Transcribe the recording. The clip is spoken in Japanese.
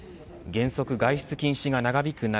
原則外出禁止が長引く